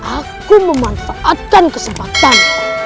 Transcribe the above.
aku memanfaatkan kesempatan